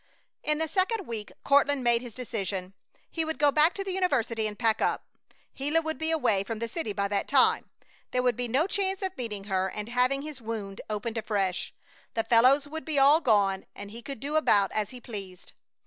In the second week Courtland made his decision. He would go back to the university and pack up. Gila would be away from the city by that time; there would be no chance of meeting her and having his wound opened afresh. The fellows would be all gone and he could do about as he pleased.